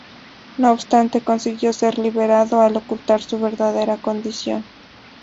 No obstante consiguió ser liberado al ocultar su verdadera condición.